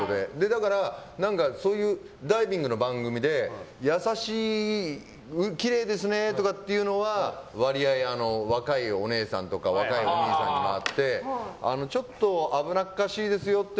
だからそういうダイビングの番組できれいですねって言うのは割合、若いお姉さんとか若いお兄さんに回ってちょっと危なっかしいですよって